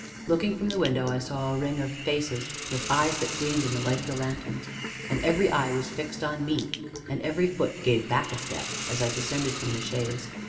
Looking from the window, I saw a ring of faces with eyes that gleamed in the light of the lanthorns, and every eye was fixed on me, and every foot gave back a step as I descended from the chaise.